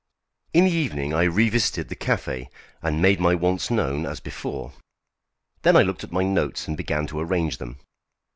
In the evening I revisited the café and made my wants known as before. Then I looked at my notes, and began to arrange them.